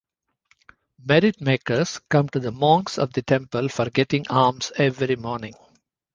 Merit makers come to the monks of the temple for getting alms every morning.